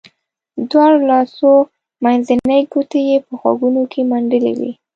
دواړو لاسو منځنۍ ګوتې یې په غوږونو کې منډلې وې.